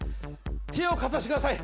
手をかざしてください。